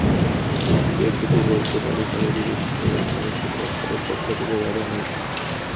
এটুকু বলতে পারি, কারও বিরুদ্ধে ব্যবস্থা নিতে সরকারের পক্ষ থেকে বাধা নেই।